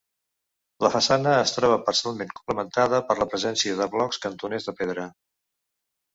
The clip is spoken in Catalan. La façana es troba parcialment complementada per la presència de blocs cantoners de pedra.